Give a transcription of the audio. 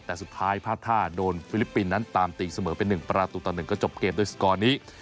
แต่สุดท้ายพลาดท่าโดนฟิลิปปินส์นั้นตามตีเสมอไป๑ประตูต่อ๑ก็จบเกมด้วยสกอร์นี้